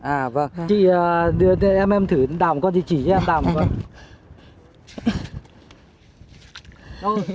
à vâng chị em thử đào một con gì chỉ cho em đào một con